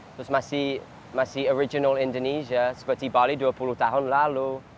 terus masih original indonesia seperti bali dua puluh tahun lalu